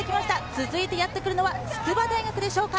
続いてやってくるのは筑波大学でしょうか？